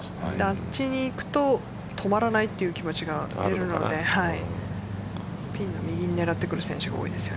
あっちに行くと止まらないという気持ちが出るのでピンの右に狙ってくる選手が多いです。